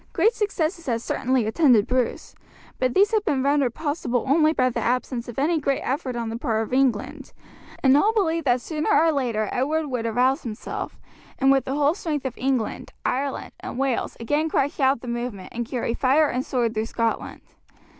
Great successes had certainly attended Bruce, but these had been rendered possible only by the absence of any great effort on the part of England, and all believed that sooner or later Edward would arouse himself, and with the whole strength of England, Ireland, and Wales again crush out the movement, and carry fire and sword through Scotland.